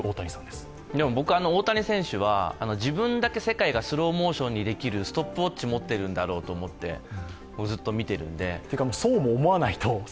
でも僕、大谷選手は自分だけ世界がスローモーションにできるストップウォッチを持っているんだろうと思ってずっと見ているんで。